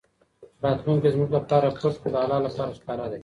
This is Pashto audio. راتلونکی زموږ لپاره پټ خو د الله لپاره ښکاره دی.